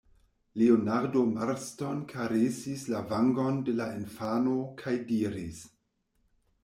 Leonardo Marston karesis la vangon de la infano kaj diris: